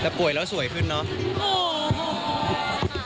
แต่ป่วยแล้วสวยขึ้นเนอะ